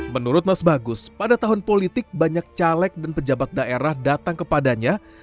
menurut mas bagus pada tahun politik banyak caleg dan pejabat daerah datang kepadanya